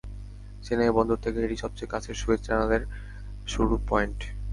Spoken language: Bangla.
চেন্নাই বন্দর থেকে এটা সবচেয়ে কাছের সুয়েজ চ্যানেলের শুরুর পয়েন্ট।